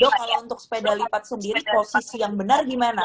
dok kalau untuk sepeda lipat sendiri posisi yang benar gimana